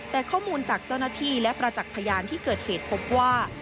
แต่ข้อมูลจากเจ้าหน้าที่และประจักษ์พยานที่เกิดเหตุพบว่า